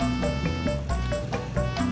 maaf neng kebiasaan